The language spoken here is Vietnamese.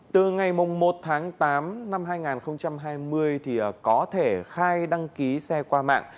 từ ngày một tháng tám năm hai nghìn hai mươi thì có thể khai đăng ký xe qua mạng